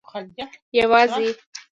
یوازي